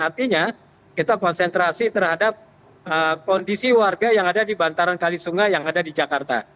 artinya kita konsentrasi terhadap kondisi warga yang ada di bantaran kali sungai yang ada di jakarta